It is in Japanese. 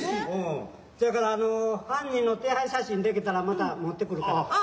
せやからあの犯人の手配写真出来たらまた持ってくるから。